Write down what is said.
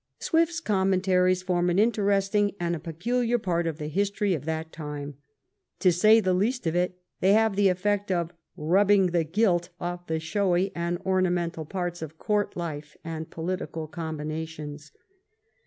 Swift's commentaries fonn an interesting and a 385 THE REIGN OF QUEEN ANNE peculiar part of the history of that time. To say the least of it, they have the effect of rubbing the gilt off the showy and ornamental parts of court life and political combinations.